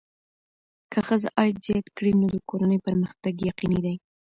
که ښځه عاید زیات کړي، نو د کورنۍ پرمختګ یقیني دی.